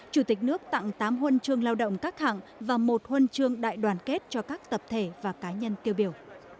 chủ tịch nước tặng tám huân chương lao động các hạng và một huân chương đại đoàn kết cho các tập thể và cá nhân tiêu biểu